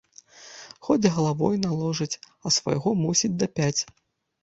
Хоць галавой наложыць, а свайго мусіць дапяць.